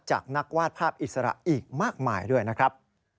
จากนักวาดภาพอิสระอีกมากมายด้วยนะครับ